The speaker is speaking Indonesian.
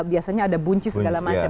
biasanya ada bunci segala macam